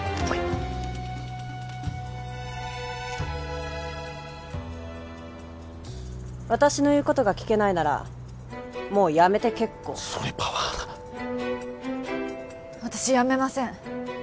おい私の言うことが聞けないならもう辞めて結構それパワハラ私辞めません